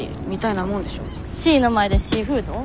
シーの前でシーフード？